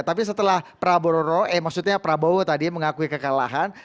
tapi setelah prabowo tadi mengakui kekalahan